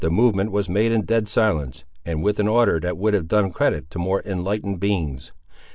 The movement was made in dead silence, and with an order that would have done credit to more enlightened beings.